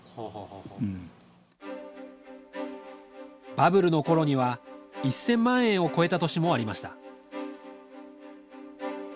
バブルの頃には１，０００万円を超えた年もありました